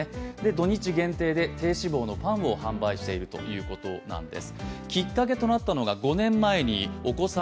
土日限定で低脂肪のパンを販売しているということなんです。